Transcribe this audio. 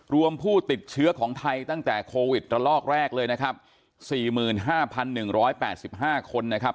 รวมผู้ติดเชื้อของไทยตั้งแต่โควิดตะลอกแรกเลยนะครับสี่หมื่นห้าพันหนึ่งร้อยแปดสิบห้าคนนะครับ